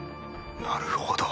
なるほど。